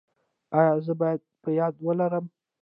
ایا زه باید په یاد ولرم؟